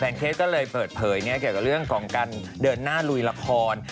เคสก็เลยเปิดเผยเกี่ยวกับเรื่องของการเดินหน้าลุยละคร